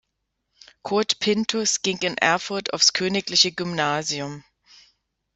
Kurt Pinthus ging in Erfurt aufs Königliche Gymnasium.